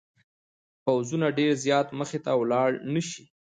پوځونه ډېر زیات مخته ولاړ نه شي.